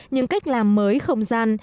nhưng cách làm mới không gian